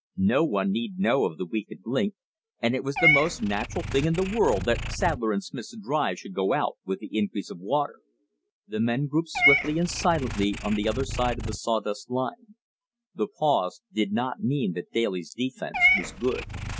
No one need know of the weakened link, and it was the most natural thing in the world that Sadler & Smith's drive should go out with the increase of water. The men grouped swiftly and silently on the other side of the sawdust line. The pause did not mean that Daly's defense was good.